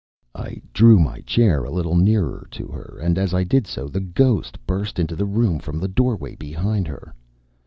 I drew my chair a little nearer to her, and as I did so the ghost burst into the room from the doorway behind her.